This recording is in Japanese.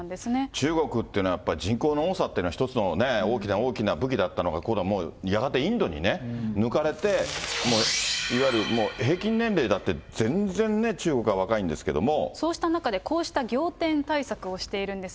中国っていうのはやっぱり人口の多さというのは、一つの大きな大きな武器だったのが、今度はもう、やがてインドにね、抜かれて、もういわゆるもう、平均年齢だって全然ね、そうした中でこうした仰天対策をしているんです。